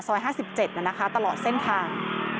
๕๗นะคะตลอดเส้นทาง